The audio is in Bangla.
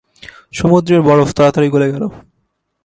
সমুদ্রের বরফ তাড়াতাড়ি গলে গেল।